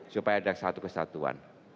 supaya ada satu kesatuan